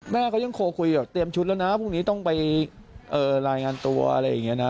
แม่เขายังโทรคุยแบบเตรียมชุดแล้วนะพรุ่งนี้ต้องไปรายงานตัวอะไรอย่างนี้นะ